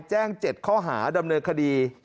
แจ้ง๗ข้อหาดำเนินคดี